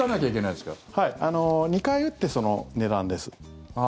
２回打って、その値段です。